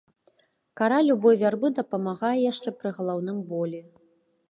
Кара любой вярбы дапамагае яшчэ пры галаўным болі.